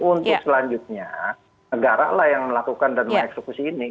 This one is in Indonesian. untuk selanjutnya negara lah yang melakukan dan mengeksekusi ini